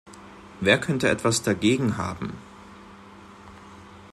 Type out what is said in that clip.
Wer könnte etwas dagegen haben?